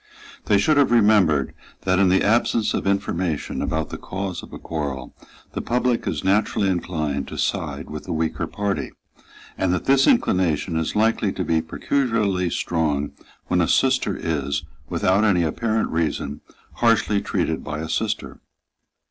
They should have remembered that, in the absence of information about the cause of a quarrel, the public is naturally inclined to side with the weaker party, and that this inclination is likely to be peculiarly strong when a sister is, without any apparent reason, harshly treated by a sister.